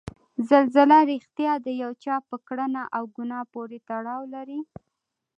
زلزله ریښتیا د یو چا په کړنه او ګناه پورې تړاو لري؟